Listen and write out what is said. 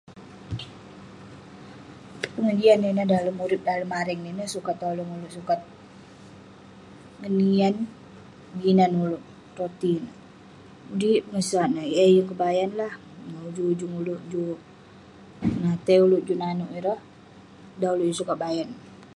Pengejian nah ineh dalem murip, dalem mareng nah ineh sukat tolong ulouk, sukat ngenian binan ulouk roti neh. Mulik pengesat neh, eh yeng kebayan lah. Ujung ujung ulouk juk- [unintelligible] ulouk juk nanouk ireh dan ulouk yeng sukat bayan.